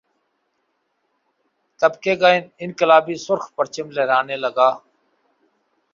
طبقے کا انقلابی سرخ پرچم لہرانے لگا